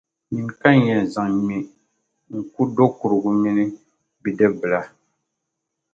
Nyini ka n yɛn zaŋ ŋme n-ku do’ kurugu mini bidibbila.